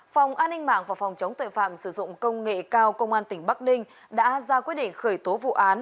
phòng an ninh mạng và phòng chống tội phạm sử dụng công nghệ cao công an tỉnh bắc ninh đã ra quyết định khởi tố vụ án